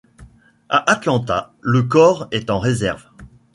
À Atlanta, le corps est en réserve.